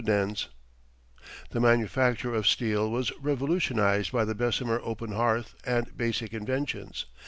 ] The manufacture of steel was revolutionized by the Bessemer open hearth and basic inventions.